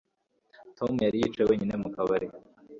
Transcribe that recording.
Tom yari yicaye wenyine mu kabari